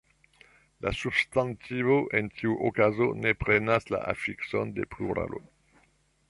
La substantivo en tiu okazo ne prenas la afikson de pluralo.